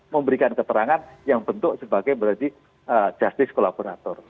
memberikan keterangan yang bentuk sebagai berarti justice collaborator